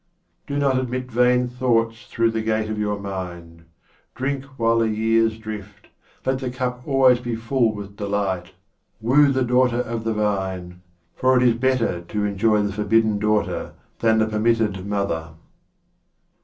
Do not admit vain thoughts through the gate of your mind. Drink while the years drift, let the cup be always full with delight, woo the daughter of the vine, for it is better to enjoy the forbidden daughter than the permitted mother.